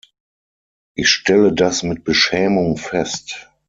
Ich stelle das mit Beschämung fest!